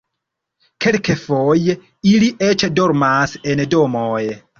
Kelkfoje ili eĉ dormas en domoj.